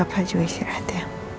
papa juga istirahat ya